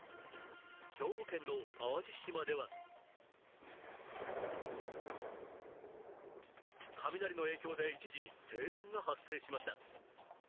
兵庫県の淡路島では雷の影響で一時、停電が発生しました。